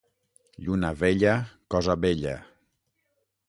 Lluna vella, cosa bella.